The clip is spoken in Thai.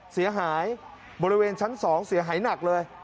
เสียหายบริเวณชั้น๒เสียหายหนักเลย